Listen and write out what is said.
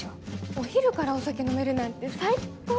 お昼からお酒飲めるなんて最っ高だね！